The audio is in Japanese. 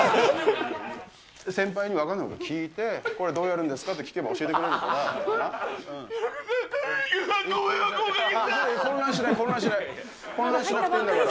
先輩に分からないこと聞いて、これ、どうやるんですかって聞けば教えてくれるから。